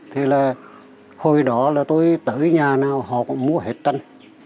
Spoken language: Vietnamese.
thì hồi đó tôi tới nhà nào họ cũng mua hết tranh